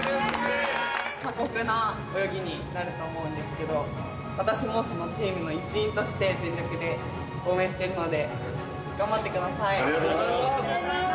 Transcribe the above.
過酷な泳ぎになると思うんですけれども、私もこのチームの一員として、全力で応援してるので、ありがとうございます。